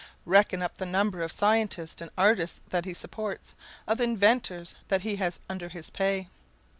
Reckon up the number of scientists and artists that he supports, of inventors that he has under his pay.